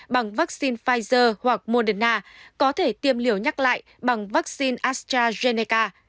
bằng vaccine pfizer hoặc moderna có thể tiêm liều nhắc lại bằng vaccine astrazeneca